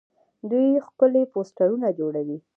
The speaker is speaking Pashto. دوی ښکلي پوسټرونه جوړوي.